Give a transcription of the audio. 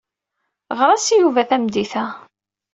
Ɣer-as i Yuba tameddit-a.